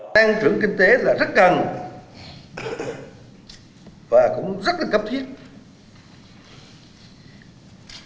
tăng trưởng kinh tế là rất cần và cũng rất là cấp thiết